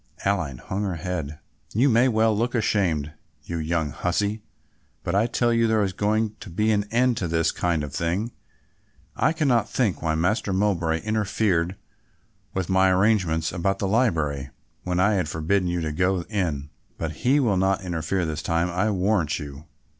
Aline hung her head. "You may well look ashamed, you young hussie, but I tell you there is going to be an end to this kind of thing. I cannot think why Master Mowbray interfered with my arrangements about the library, when I had forbidden you to go in, but he will not interfere this time I'll warrant you.